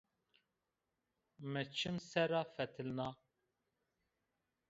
Mi çim ser ra fetilna